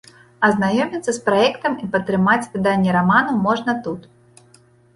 Азнаёміцца з праектам і падтрымаць выданне раману можна тут.